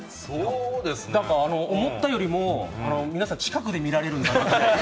なんか思ったよりも皆さん近くで見られるんだなって。